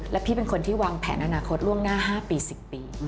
แล้วพี่เป็นคนที่วางแผนอนาคตล่วงหน้า๕ปี๑๐ปี